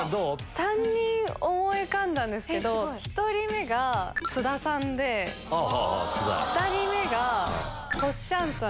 ３人思い浮かんだんですけど、１人目が津田さんで、２人目がほっしゃん。